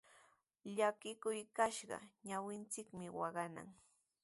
Llakikuytraw kashqaqa ñawinchikmi waqanan.